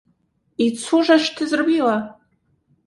"i cóżeś ty zrobiła?..."